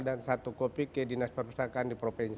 dan satu kopi ke dinas perpustakaan di provinsi